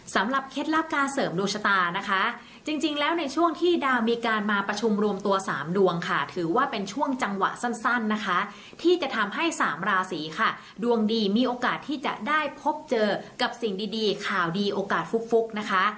เคล็ดลับการเสริมดวงชะตานะคะจริงแล้วในช่วงที่ดาวมีการมาประชุมรวมตัวสามดวงค่ะถือว่าเป็นช่วงจังหวะสั้นนะคะที่จะทำให้สามราศีค่ะดวงดีมีโอกาสที่จะได้พบเจอกับสิ่งดีข่าวดีโอกาสฟุกนะคะ